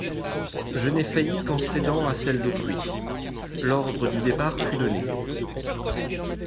Je n'ai failli qu'en cédant à celles d'autrui.» L'ordre du départ fut donné.